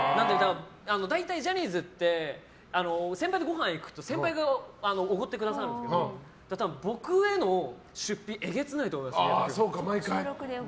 大体ジャニーズって先輩とごはん行くと先輩がおごってくださるんですけど多分、僕への出費えげつないと思います。